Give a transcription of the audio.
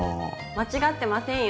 間違ってませんよ。